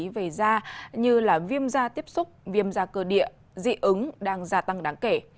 về da như viêm da tiếp xúc viêm da cơ địa dị ứng đang gia tăng đáng kể